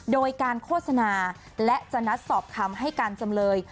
โดยการโฆษณาและจะนัดสอบคำให้การจำเลย